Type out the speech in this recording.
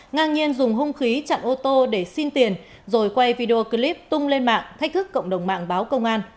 ngang nhiên dùng hung khí chặn ô tô để xin tiền rồi quay video clip tung lên mạng thách thức cộng đồng mạng báo công an